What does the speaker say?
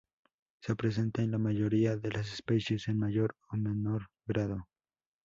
Se presenta en la mayoría de las especies, en mayor o menor grado.